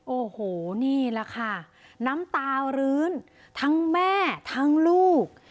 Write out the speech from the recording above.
โอ้โหนี่แหละค่ะน้ำตารื้นทั้งแม่ทั้งลูก